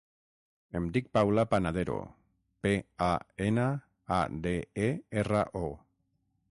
Em dic Paula Panadero: pe, a, ena, a, de, e, erra, o.